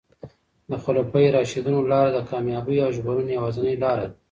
د خلفای راشدینو لاره د کامیابۍ او ژغورنې یوازینۍ لاره ده.